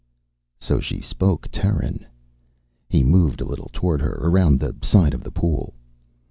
So she spoke Terran! He moved a little toward her, around the side of the pool.